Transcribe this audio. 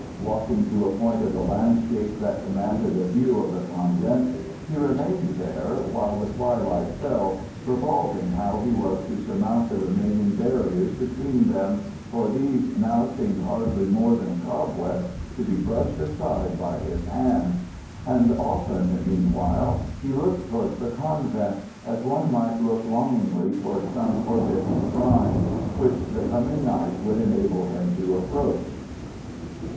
Walking to a point of the landscape that commanded a view of the convent, he remained there while the twilight fell, revolving how he was to surmount the remaining barriers between them, for these now seemed hardly more than cobwebs to be brushed aside by his hand; and often, meanwhile, he looked towards the convent, as one might look longingly towards some forbidden shrine, which the coming night would enable him to approach.